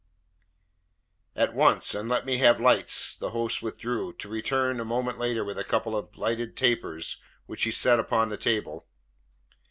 "At once, and let me have lights." The host withdrew, to return a moment later with a couple of lighted tapers, which he set upon the table.